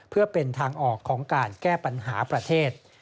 เพื่อเป็นทางออกของการแก้ปัญหาประเทศ